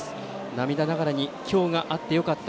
涙ながらに今日があってよかった。